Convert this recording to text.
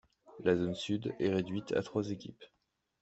La Zone Sud est réduite à trois équipes.